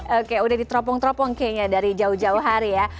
oke udah ditropong tropong kayaknya dari jauh jauh hari ya